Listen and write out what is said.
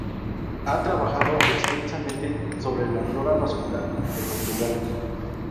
Ha trabajado extensamente sobre la flora vascular de Portugal.